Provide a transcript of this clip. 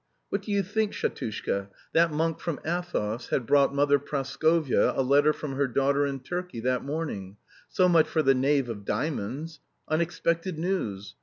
What do you think, Shatushka, that monk from Athos had brought Mother Praskovya a letter from her daughter in Turkey, that morning so much for the knave of diamonds unexpected news!